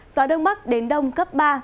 gió đông bắc đến đông cấp ba